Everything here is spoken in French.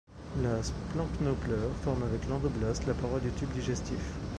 La splanchnopleure forme avec l'endoblaste la paroi du tube digestif.